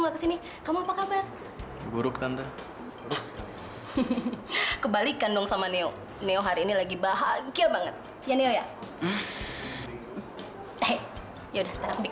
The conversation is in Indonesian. cepetan lama banget sih